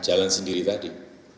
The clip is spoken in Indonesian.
jalan sendiri tadi